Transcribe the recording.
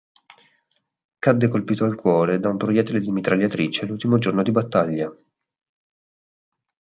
Cadde colpito al cuore da un proiettile di mitragliatrice l'ultimo giorno di battaglia.